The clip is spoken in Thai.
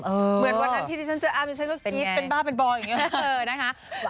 เหมือนวันนั้นที่ที่ฉันเจออ้ดิฉันก็กรี๊ดเป็นบ้าเป็นบอยอย่างนี้นะคะ